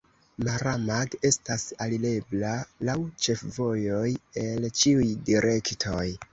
Maramag estas alirebla laŭ ĉefvojoj el ĉiuj direktoj.